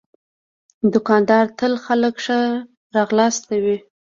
دوکاندار تل خلک ښه راغلاست کوي.